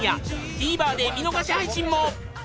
ＴＶｅｒ で見逃し配信も